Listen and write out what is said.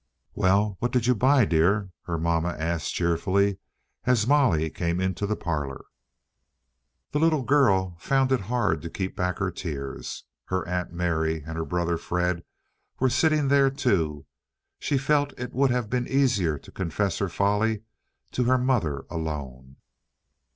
"Well, what did you buy, dear?" her mamma asked cheerfully, as Molly came into the parlour. The little girl found it hard to keep back her tears. Her Aunt Mary and her brother Fred were sitting there, too. She felt it would have been easier to confess her folly to her mother alone.